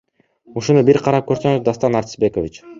Ушуну бир карап көрсөңүз Дастан Артисбекович.